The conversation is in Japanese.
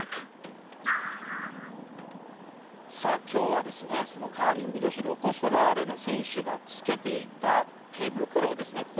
今日はカーリング女子ロコ・ソラーレの選手がつけていた手袋ですね。